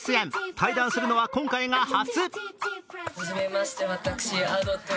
対談するのは、今回が初。